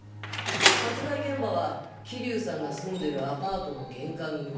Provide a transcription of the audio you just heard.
殺害現場は桐生さんが住んでるアパートの玄関口。